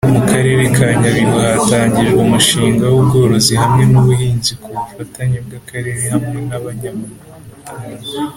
mu Karere ka nyabihu hatangijwe umushinga w’ ubworozi hamwe n’ubuhizi kubufatanye bwa karere hamwe na banyamuryango